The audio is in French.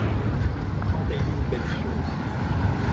Trente et une belles choses.